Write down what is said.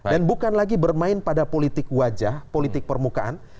dan bukan lagi bermain pada politik wajah politik permukaan